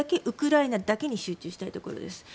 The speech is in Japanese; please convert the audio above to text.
ウクライナだけに集中したいところです。